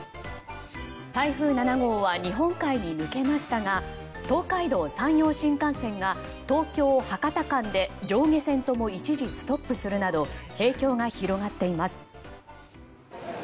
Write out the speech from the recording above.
台風７号は日本海に抜けましたが東海道・山陽新幹線が東京博多間で上下線とも一時ストップするなど影響が広がっています。